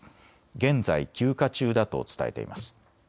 現在、休暇中だと伝えています。